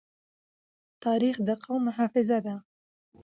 تاریخ د قوم حافظه ده.